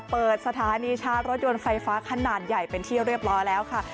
เปิดสถานีชาร์จรถยนต์ไฟฟ้าขนาดใหญ่เป็นที่เรียบร้อยแล้วค่ะ